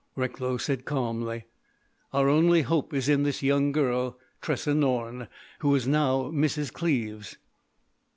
Recklow said calmly: "Our only hope is in this young girl, Tressa Norne, who is now Mrs. Cleves."